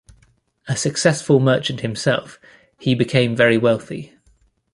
A successful merchant himself he became very wealthy.